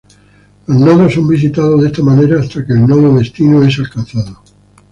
Los nodos son visitados de esta manera hasta que el nodo destino es alcanzado.